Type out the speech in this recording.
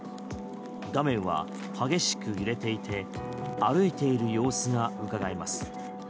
画面は激しく揺れていて歩いている様子がうかがえます。